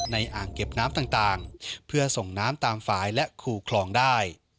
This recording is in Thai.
อ่างเก็บน้ำต่างเพื่อส่งน้ำตามฝ่ายและคู่คลองได้